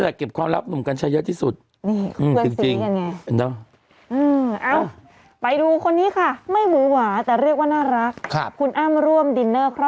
เสี่ยวเหมือนกันน่ะ